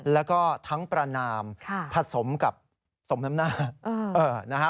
แล้วก็ทั้งประนามผสมกับสมน้ำหน้านะฮะ